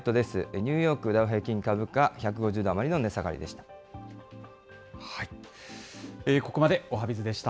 ニューヨークダウ平均株価、１５０ドル余りの値下がりでした。